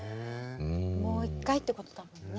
もう一回ってことだもんね。